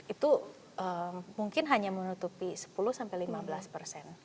itu mungkin hanya menutupi sepuluh sampai lima belas persen